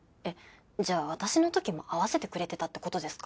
じゃあ私のときも合わせてくれてたってことですか？